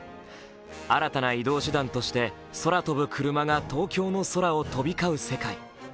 新たな移動手段として空飛ぶクルマが東京の空を飛び交う世界。